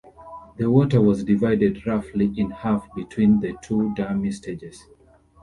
The water was divided roughly in half between the two dummy stages.